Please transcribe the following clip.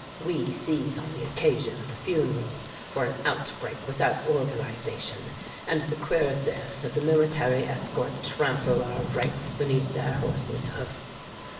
We seize on the occasion of a funeral for an outbreak without organization, and the cuirassiers of the military escort trample our ranks beneath their horses' hoofs.